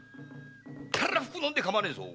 たらふく飲んでかまわねえぞ！